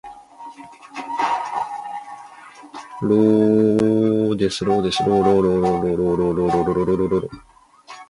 以硬木制成的蒙特卡洛枪托为特色。